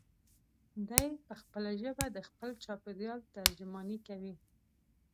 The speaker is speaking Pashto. دی په خپله ژبه د خپل چاپېریال ترجماني کوي.